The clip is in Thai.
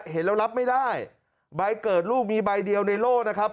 เห็นแล้วรับไม่ได้ใบเกิดลูกมีใบเดียวในโลกนะครับ